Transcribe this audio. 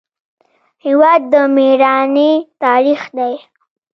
هېواد د میړانې تاریخ دی.